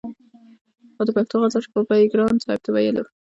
خو د پښتو غزل شباب به يې ګران صاحب ته ويلو